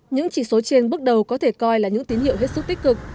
những chỉ số trên bước đầu có thể coi là những tín hiệu hết sức tích cực